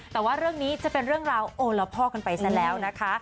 แต่ว่าเรื่องนี้จะเป็นเรื่องราวโอละพ่อกันไปซะแล้วนะคะ